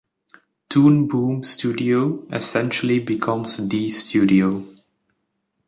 Toon Boom Studio essentially becomes the studio.